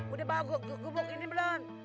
udah bawa gue ke gubuk ini belum